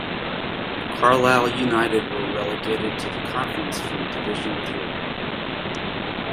Carlisle United were relegated to the Conference from Division Three.